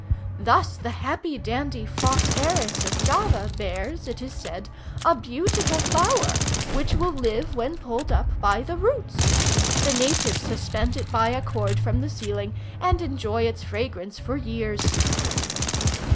Thus the happy dandy Flos Aeris of Java bears, it is said, a beautiful flower, which will live when pulled up by the roots. The natives suspend it by a cord from the ceiling and enjoy its fragrance for years.